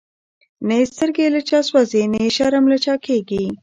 نه یی سترګی له چا سوځی، نه یی شرم له چا کیږی